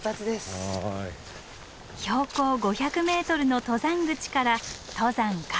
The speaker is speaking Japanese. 標高５００ｍの登山口から登山開始。